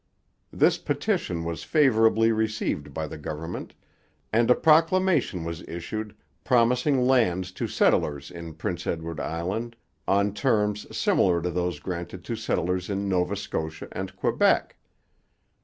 This petition was favourably received by the government, and a proclamation was issued promising lands to settlers in Prince Edward Island on terms similar to those granted to settlers in Nova Scotia and Quebec.